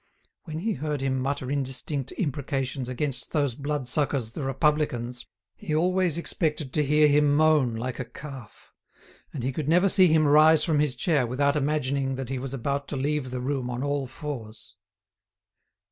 When he heard him mutter indistinct imprecations against those blood suckers the Republicans, he always expected to hear him moan like a calf; and he could never see him rise from his chair without imagining that he was about to leave the room on all fours.